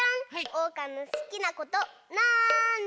おうかのすきなことなんだ？